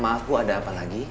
maaf aku ada apa lagi